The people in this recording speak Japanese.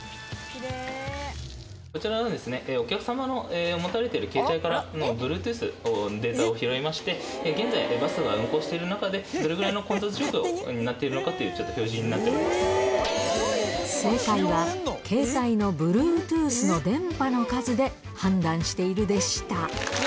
こちらの、お客様の持たれている携帯からＢｌｕｅｔｏｏｔｈのデータを拾いまして、現在、バスが運行している中で、どれぐらいの混雑状況になっているのかというちょっと表示になっ正解は、携帯のＢｌｕｅｔｏｏｔｈの電波の数で判断しているでした。